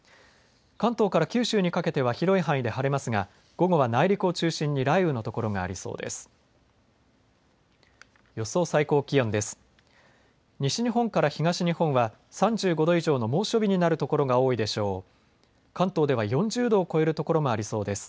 関東から九州にかけては広い範囲で晴れますが午後は内陸を中心に雷雨の所がありそうです。